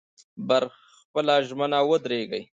پر خپله ژمنه ودرېږئ.